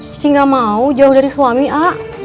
cici gak mau jauh dari suami a